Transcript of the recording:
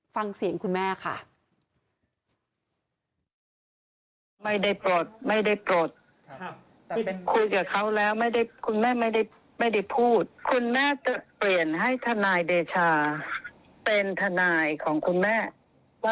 ฟังเสียงคุณแม่ค่ะ